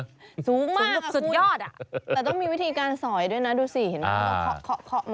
สูงมากครับคุณสุดยอดอ่ะแต่ต้องมีวิธีการสอยด้วยนะดูสิเห็นไหม